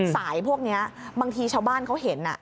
พวกนี้บางทีชาวบ้านเขาเห็น